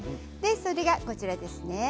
それが、こちらですね。